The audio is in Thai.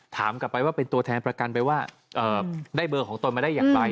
ถามกลับไปว่าเป็นตัวแทนประกันไปว่าได้เบอร์ของตนมาได้อย่างไร